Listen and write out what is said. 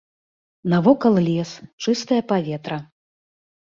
Навокал лес, чыстае паветра.